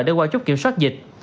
để qua chốt kiểm soát dịch